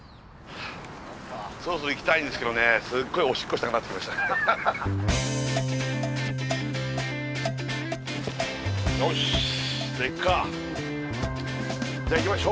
そろそろ行きたいんですけどね、すごいおしっこしたくなってきました。